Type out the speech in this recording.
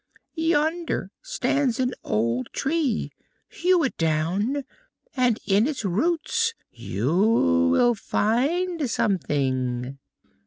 Yonder stands an old tree; hew it down, and in its roots you will find something."